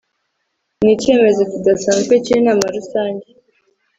n icyemezo kidasanzwe cy inama rusange